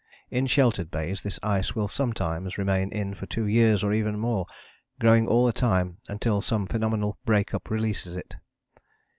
In sheltered bays this ice will sometimes remain in for two years or even more, growing all the time, until some phenomenal break up releases it.